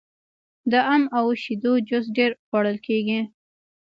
د ام او شیدو جوس ډیر خوړل کیږي.